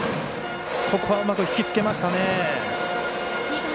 ここはうまく引きつけましたね。